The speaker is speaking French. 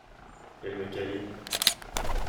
Elle me câline.